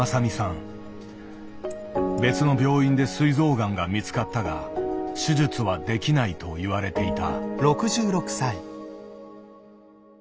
別の病院ですい臓がんが見つかったが「手術はできない」と言われていた。